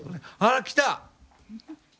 あら来た！